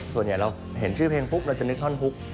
ส่วนใหญ่เราเห็นชื่อเพลงเราจะนึกข้อนพุก